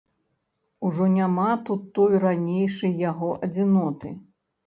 Ужо няма тут той ранейшай яго адзіноты.